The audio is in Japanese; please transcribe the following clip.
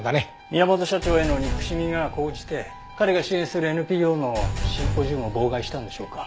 宮本社長への憎しみが高じて彼が支援するＮＰＯのシンポジウムを妨害したんでしょうか？